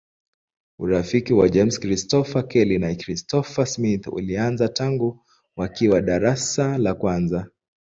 Urafiki wa James Christopher Kelly na Christopher Smith ulianza tangu wakiwa darasa la kwanza.